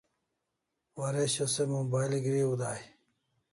Waresho se mobile griu dai